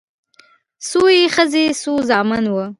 څو يې ښځې څو زامن وه